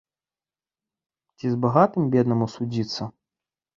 Ці з багатым беднаму судзіцца?